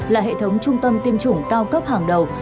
là hệ thống trung tâm tiêm chủng cao cấp hàng đầu